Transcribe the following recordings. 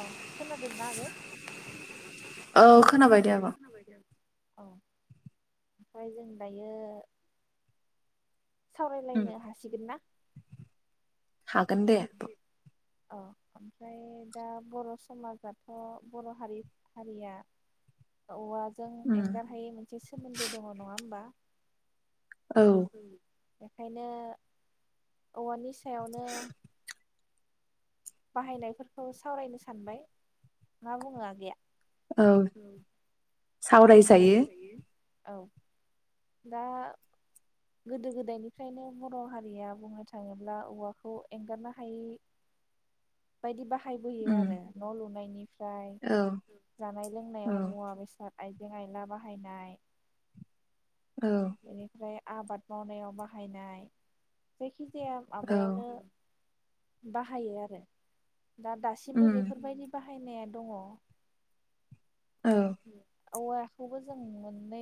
अ खोनादोंना आगै औ खोनाबाय दे आ। औ ओमफ्राय जों दायो सावरायलायनो हासिगोन ना? हागोन दे अ। औ ओमफ्राय दा बर समाजाथ बर हारि हारिया औवा जों एंगार हायै मोनसे सोमोन्दो दङ नंङा होमबा उम्म ओंखायनो औवानि थायावनो बाहायनायफोरखौ सावरायनो सानबाय मा बुंङो आगैया। औ सावरायजायो औ दा गोदो गोदायनिफ्रायनो बर' हारिया बुंनो थाङोब्ला औवाखौ एंगारनो हायै बायदि बाहाय। हायबोयो आरो न' लुनायनिफ्राय जानाय लोंनायाव मुवा बेसाद आइजें आयला बाहायनाय। बेनिफ्राय आबाद मावनायाव बाहायनाय जायखि एसे माबायावनो। बाहायो आरो दा दासिमबो बेफोरबायदि बाहाय। फायनाया दङ उम्म औवाखौबो जों मोननै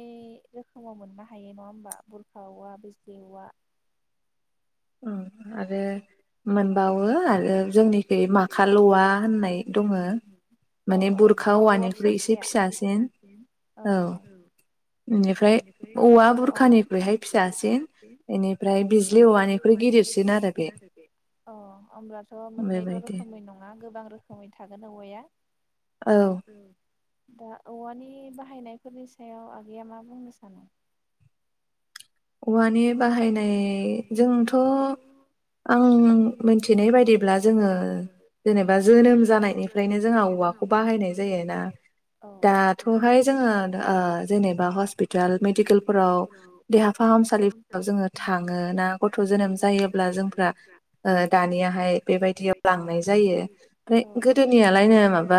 रोखोमाव मोननो हायो नङा होमबा बुरखा औवा बिजलि औवा। अ आरो। ओ मोनबावो आरो जोंनिखै माखाल औवा होननाय दंङ माने बुरखा औवानिख्रुइ एसे फिसासिन औ बेनिफ्राय औवा बुरखानिख्रुइहाय फिसासिन बेनिफ्राय बिजलि औवानि गिदिरसिन आरो अ होमब्लाथ‌ मोननैल रोखोमै नंङा गोबां रोखोमै थागोन औवाया। औ दा‌ औवानि बाहायनायफोरनि सायाव आगैया मा बुंनो सानो? औवानि बाहायनाय जोंथ आं मिथिनाय बायदिब्ला जोंङो जेनेबा जोनोम जानायनिफ्रायनो जोंहा औवाखौ बाहायनाय जायो ना‌ दाथहाय जोंङो ओ जेनेबा हस्पिटाल मेडिकेलफोराव देहा जोंङो थांङो ना गथ जोनोम जायोब्ला जोंफ्रा दानियाहाय बेबायदियाव लांनाय जायो ओफ्राय गोदोनियालायनो माबा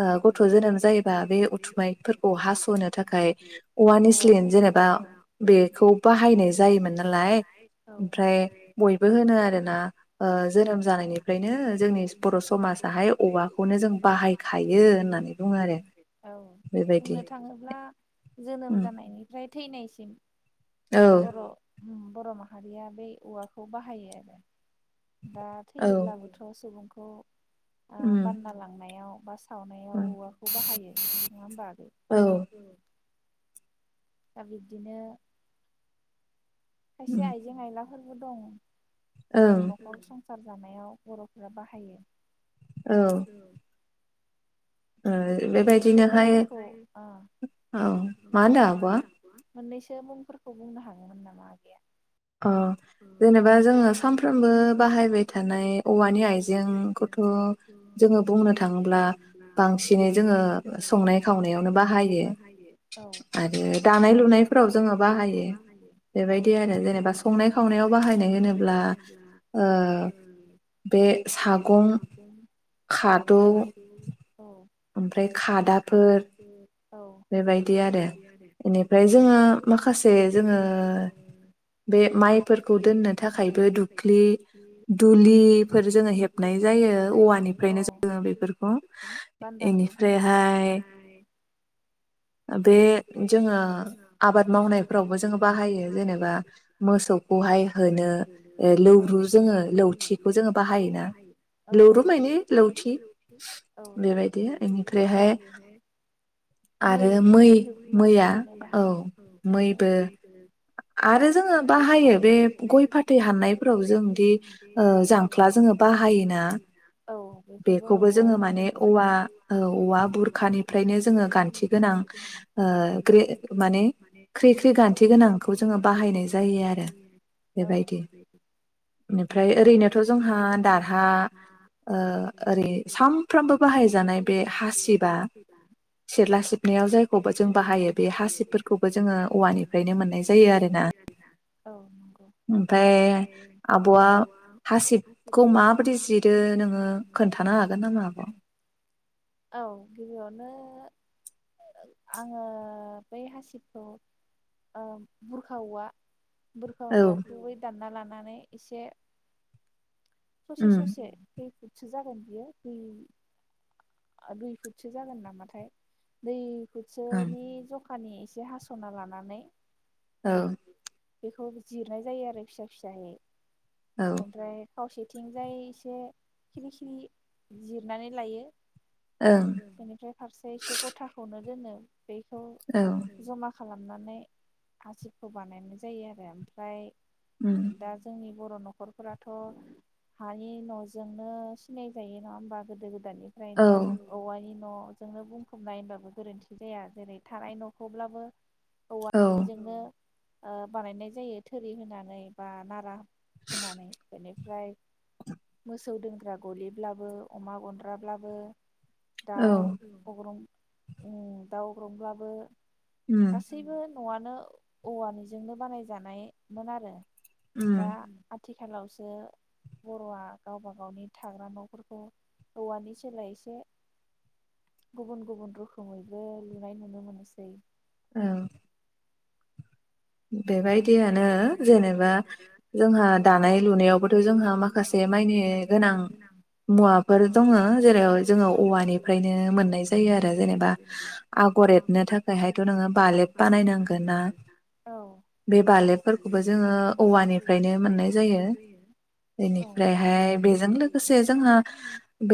ओ गथ जोनोम जायोबा बे उथुमायफोरखौ हासनो थाखाय औवानिस्लिन जेनेबा बे बाहायनाय जायोमोन नालाय ओमफ्राय बयबो होनो आरोना जोनोम जानायनिफ्रायनो जोंनि बर' समाजाहाय औवाखौनो जों बाहायखायो होननानै बुङो आरो बेबायदि। जोनोम जानायनिफ्राय थैनायसिम र अम बर'माहारिया बै औवाखौ बाहायो आरो दा थैयोब्लाबोथ सुबुंखौ ओ बानना लांनायाव बास सावनायाव औवाखौ बाहायो नंङा होमबा आगै दा बिब्दिनो खायसे आइजें आयला फोरबो दं जायखौ न'खर सं संसार जानायाव बरफोरा बाहायो औ ओ बे बायदिनोहाय औ मा होनदों आबआ मोननैसो मुंफोरखौ बुंनो हागौमोन नामा आगैया? ओ जेनेबा जोंङो सानफ्रोमबो बाहायबाय थानाय औवानि आइजें खौथ जोंङो बुंनो थांङोब्ला बांसिनै जोंङो संनाय खावनायावनो बाहायो आरो दानाय लुनायफोराव जोंङो बाहायो बेबायदि आरो जेने संनाय खावनायाव बाहायनाय होनोब्ला ओ बे सागं औ खादौ औ ओमफ्राय खादाफोर बेबायदि आरो बेनिफ्राय जोंङो माखासे जोंङो बे माइ फोरखौ दोननो थाखायबो दुब्लि दुलिफोर जोङो हेबनाय जायो औवानिफ्रायनो जोङो बेफोरखौ इनिफ्रायहाय बे जोङो आबाद मावनायफ्रावबो जोङो बाहायो जेनेबा मोसौ हाय होनो लौरु जोङो लौथिखौ जोङो बाहायोना लौरु मानि लौथि बेबायदि बेनिफ्रायहाय आरो मै मैया औ मैबो आरो जोङो बाहायो बे गय फाथै हाननायफोराव जों जांख्ला जोङो बाहायोना बेखौबो जोङो माने औवा औवा बुरखानिफ्रायनो जोङो गान्थि गोनां ओ माने ख्रि ख्रि गान्थि गोनांखौ जोङो बाहायनाय जायो आरो बेबायदि बेनिफ्राय ओरैनोथ जोंहा दारहा ओ ओरै सामफ्रामबो बाहायजानाय बे हासिबा सिरला सिबनायाव जायखौबो जों बाहायो बे हा सिबफोरखौबो जोङो औवानिफ्रायनो मोननाय जायो आरोना। औ नंगौ जे ओमफ्राय आब'आ हासिबखौ माबोरै जिरो नोङो खोन्थानो हागोन नामा? औ गिबियावनो आङो बै हासिबखौ बुरखा औवा। बुरखा औवाखौ बै दानना लानानै एसे। ससे ससे। फुटसो जागोन बियो दुइ फुटसो जागोन नामाथाय दै [unintelligible] जखानि एसे हास'ना लानानै औ। बेखौ जिरनाय जायो आरो फिसा फिसाहै ओमफ्राय थावसेथिंजाय एसे खिरि खिरि जिरनानै लायो। बेनिफ्राय फारसे एसे गथाखौनो दोनो बेखौ जमा खालामनानै हासिबखौ बानायनो जायो आरो ओमफ्राय दा जोंनि बर' नखरफोराथ' हानि न'जोंनो सिनाय जायो नङा होमबा गोदो गोद दानिफ्रायनो औवानि नजोंनो बुंफबनाय होनबाबो गोरोन्थि जाया जेरै थानाय नखौब्लाबो। औवजोंनो ओ बानायनाय जायो थोरि होनानै बा नारा होनानै गायनाय ओमफ्राय मोसौ दोनग्रा गलिब्लाबो अमा गनन्द्राब्लाबो दाउ हग्रं उम दाउ ग्रब्लाबो गासिबो न'आनो औवानि जो [unintelligible] बानायजानायमोन आरो दा आद थिखालावसो बर'आ गावबा गावनि थाग्रा नफोरखौ औवानि सोलाय एसे गुबुन गुबुन रोखोमैबो लुनाय नुनो मोनसै औ बेबायदियानो जेनेबा जोंहा दानाय लुनायावबोथ जोंहा माखासे माइनि गोनां मुवाफोर दङ जेरै जोङो औवानिफ्रायनो मोननाय जायो आरो जेनेबा आगर एरनो थाखायहायथ नोङो बालेब बानायनांगोन ना औ बे बालेबफोरखौबो जोङो औवानिफ्रायनो मोननाय जायो। बेनिफ्रायहाय बेजों लोगोसे जोंहा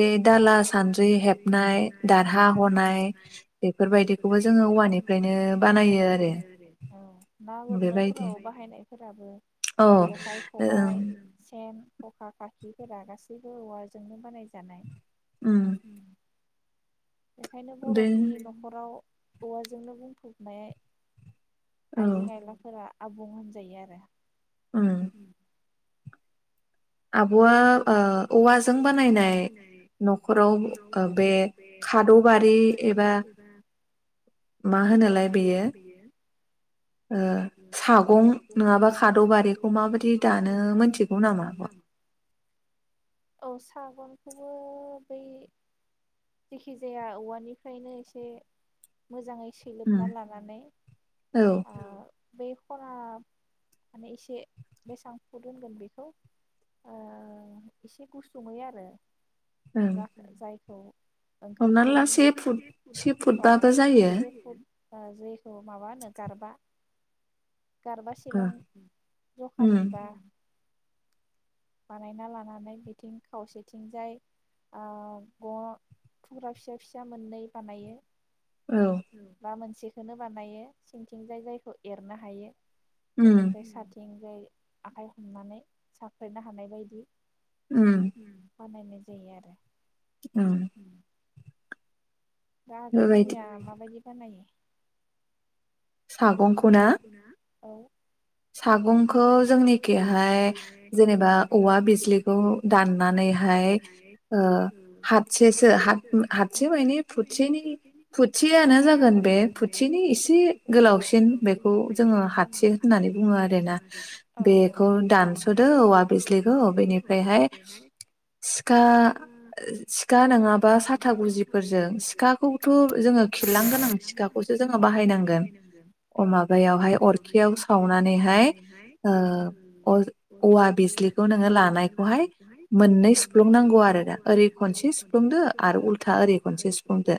बे दाला सानद्रि हेबनाय दारहा हनाय बेफोरबायदिखौबो जोङो औवानिफ्रायनो बानायो आरो। ना गुरनो फोराव बाहायनायफोराबो जेखाइ खबायाइ सेन खखा खाखिफोरा गासैबो औवाजोंनो बानायजानाय। उम बेखायनो बरनि नखराव औवाजोंनो बुंफबनाय आइजें आयलाफोरा आबुं होनजायो आरो। उम आबआ ओ औवाजों बानायनाय नखराव ओ बे खादौबारि एबा मा होनोलाय बेयो ओ सागं नङाबा खादौबारिखौ माबायदि दानो मोनथिगौ नामा आब आ औ सागनखौबो बै जेखि जाया औवानिफ्रायनो एसे मोजाङै सैलोबना लानानै ओ बे खना माने एसे बेसेबां फुट होनगोन बेखौ ओ एसे गुसुुंयै आरो [unintelligible] जाय औ ओंख्रिखौ [unintelligible] ओ से फुट दा जैखौ माबा होनो गारबा गारबासेबां जखानि बा बानायना लानानै बिथिं खावसेथिंजाय ओ ग थुख्रा फिसा फिसा मोननै बानायो बा मोनसे खौनो बानायो सिंथिंजाय जायखौ एरनो हायो बेनिफ्राय साथिंजाय आखाइ हमनानै स सफैनो हानाय बायदि उम बानायनाय जायो आरो ओं दा आगैमोननिया माबायदि बानायो? सागंखौ ना औ सागंखौ जोंनिखैहाय जेनेबा औवा बिजलिखौ दाननानैहाय ओ हाथसेसो हा हाथसे मान फुथसेनि फुथसेयानो जागोन बे फुथसेनि इसे गोलाव सिन बेखौ जोङो [unintelligible] होननानै बुङो आरोना बेखौ दानसदो औवा बिस्लिखौ बेनिफ्रायहाय सिखा सिखा नङाबा साथा गुजिफोरजों सिखाखौथ जोङो खिललां गोनां सिखाखौसो जोङो बाहायनांगोन अ माबायावहाय अरखियाव सावनानैहाय ओ औवा बिजलिखौ नोङो लानायखौहाय मोननै सुफ्लुंनांगौ आरोना ओरै खनसे सुफ्लुंदो आरो उल्था ओरै खनसे सुफ्लुंदो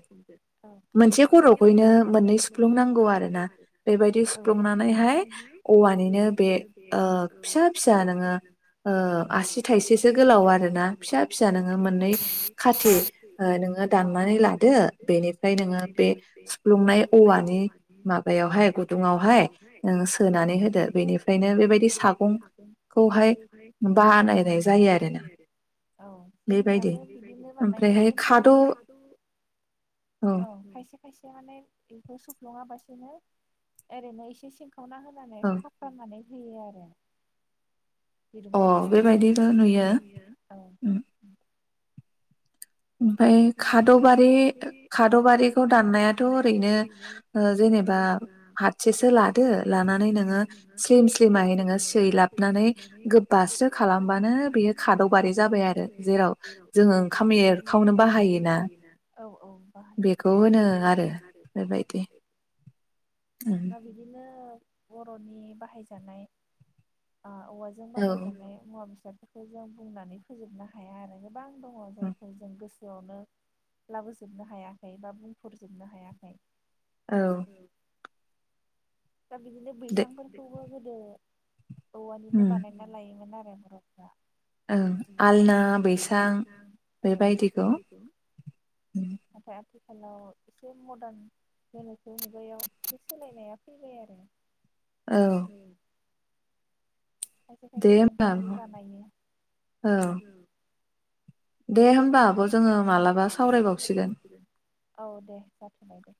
मोनसे खरखौैनो मोननै सुफ्लुंनांगौ आरोना बेबायदि सुफ्लंनानैहाय औवानिनो बे ओ फिसा फिसा नोंङो आसि थाइसेसो गोलाव आरोना फिसा फिसा नोङो मोननै खाथि नोङो दाननानै लादो बेनिफ्राय नोङो बे सुफ्लुंनाय औवानि माबायाव अ बेयावहाय गुदुं आव हाय सानै होदो बेनिफ्रायनो बेबायदि सागंखौहाय बानायनाय जायो आरोना बेबायदि ओमफ्रायहाय खाद औ सुख्लङा बासिनो ओरैनोसेसे सावना होनानै होफ्रामनानै फैयो आरो दिरुंफोरजों औ बेबायदि नुयो औ ओमफफ्राय खादबारि खादबारिखौ दाननायाथ ओरैनो जेनेबा हाथसेसो लादो लानानै नोङो स्लिम स्लिमाहै नोङो सैलाबनानै गोबास्रो खालामबानो बियो खादबारि जाबाय आरो जेराव जोङो ओंखाम ए खौनो बाहायोना औ औ बाहायो बेखौ होनो आरो दाबिदिनो बिनो बर'नि बाहायजानाय ओ औवाजों बानायजानाय मुवा बेसाद बेखौ जों बुंनानै फोजोबनो हाया आरो गोबां दङ जायखौ जों गोस गोसोआवनो लाबोजोबनो हायाखै बा बुंफोरजोबनो हायाखै। औ दा बिदिनो बैसांफोरखौबो गोदो औवानिनो बानायना लायोमोन आरो [unintelligible] ओं आलना बैसां बेबायदिखौ उम आथिखालाव एसे मदार्न गोनोखो मुगायाव बे सोलायनाया औ खायसे खायसे दंफांनि बानायो उम दे होमबा आब जोङो मालाबा सावरायबावसिगोन औ दे जाथबाय दे।